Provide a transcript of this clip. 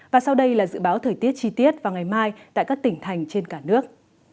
và sau đây là dự báo thời tiết chi tiết vào ngày mai tại các tỉnh thành trên cả nước